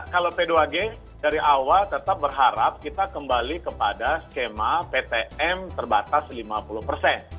kalau p dua g dari awal tetap berharap kita kembali kepada skema ptm terbatas lima puluh persen